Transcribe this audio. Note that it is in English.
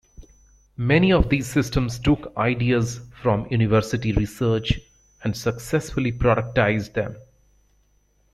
Many of these systems took ideas from university research and successfully productized them.